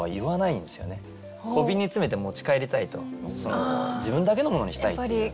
小瓶に詰めて持ち帰りたいと自分だけのものにしたいっていう。